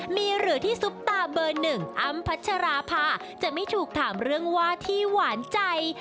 มีเหลือที่ซุปตาเบอร์หนึ่งอ้ำพัชราภาจะไม่ถูกถามเรื่องว่าที่หวานใจ